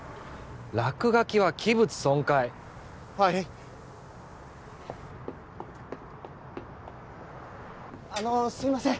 落書きは器物損壊はいあのーすいません